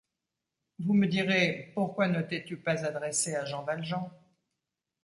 Vous me direz: Pourquoi ne t’es-tu pas adressé à Jean Valjean?